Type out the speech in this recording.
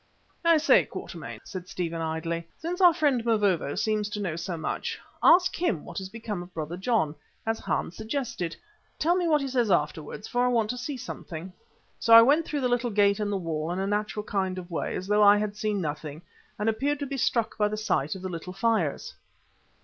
"I say, Quatermain," said Stephen idly, "since our friend Mavovo seems to know so much, ask him what has become of Brother John, as Hans suggested. Tell me what he says afterwards, for I want to see something." So I went through the little gate in the wall in a natural kind of way, as though I had seen nothing, and appeared to be struck by the sight of the little fires.